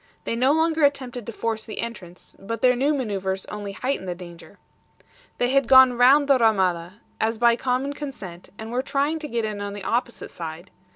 They no longer attempted to force the entrance, but their new maneuvers only heightened the danger. They had gone round the RAMADA, as by common consent, and were trying to get in on the opposite side.